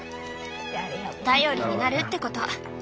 頼りになるってこと。